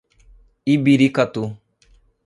Ibiracatu